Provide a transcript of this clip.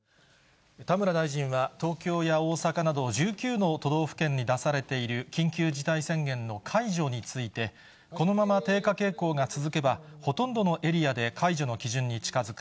田村大臣は、東京や大阪など、１９の都道府県に出されている緊急事態宣言の解除について、このまま低下傾向が続けば、ほとんどのエリアで解除の基準に近づく。